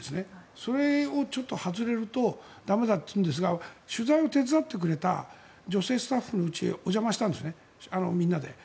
それを外れると駄目だっていうんですが取材を手伝ってくれた女性スタッフのうちにお邪魔したんです、みんなで。